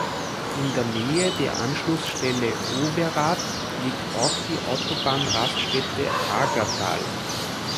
In der Nähe der Anschlussstelle „Overath“ liegt auch die Autobahnraststätte „Aggertal“.